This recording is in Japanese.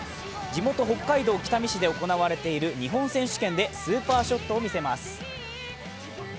地元・北海道北見市で行われている日本選手権でスーパーショットを見せます。